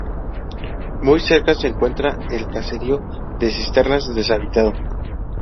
Muy cerca se encuentra el caserío de Cisternas, deshabitado.